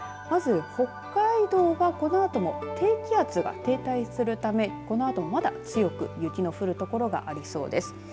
まず、北海道は、このあとも低気圧が停滞するためこのあとも、まだ強く雪の降る所がありそうです。